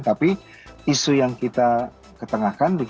tapi isu yang kita ketengahkan